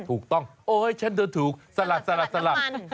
ถูกต้องโอ๊ยฉันจะถูกสลัดสลัดน้ำมัน